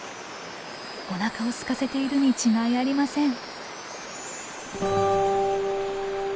おなかをすかせているに違いありません。